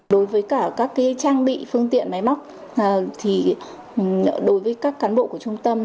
đối với các trang bị phương tiện máy móc đối với các cán bộ của trung tâm